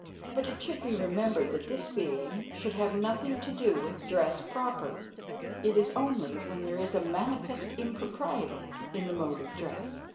But it should be remembered that this feeling should have nothing to do with dress proper; it is only when there is a manifest impropriety in the mode of dress.